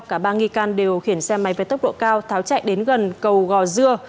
cả ba nghi can đều khiển xe máy với tốc độ cao tháo chạy đến gần cầu gò dưa